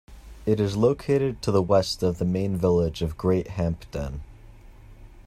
It is located to the west of the main village of Great Hampden.